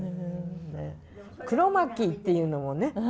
クロマキーっていうのもね